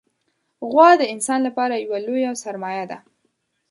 غوا د انسان لپاره یوه لویه سرمایه ده.